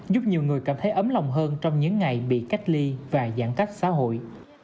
giúp nhiều người cảm thấy ấm lòng hơn trong những ngày bị cách ly và giãn cách xã hội